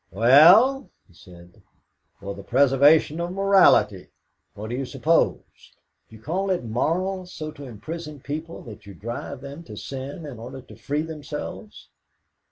"Well," he said, "for the preservation of morality. What do you suppose?" "Do you call it moral so to imprison people that you drive them to sin in order to free themselves?"